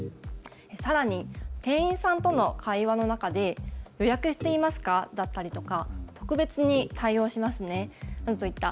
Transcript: さらに店員さんとの会話の中で予約していますかだったりとか、特別に対応しますねなどといった